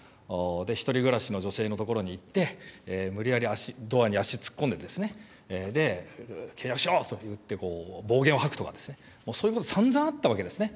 １人暮らしの女性の所に行って、無理やりドアに足突っ込んで、契約しろと言って、暴言を吐くとか、そういうことさんざんあったわけですね。